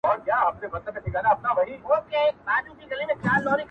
چا راوړي د پیسو وي ډک جېبونه,